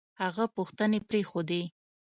هغه پوښتنې پرېښودې